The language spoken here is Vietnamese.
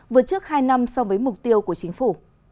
vượt trước hai năm so với mục tiêu của chính phủ